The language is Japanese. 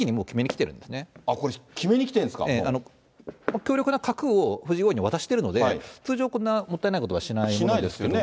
これ、強力な角を藤井王位に渡してるので、通常、こんなもったいないことはしないんですけど。